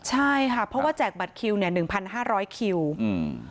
ใช่ค่ะเพราะว่าแจกบัตรคิวเนี้ยหนึ่งพันห้าร้อยคิวอืม